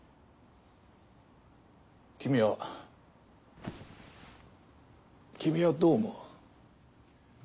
君は君はどう思う？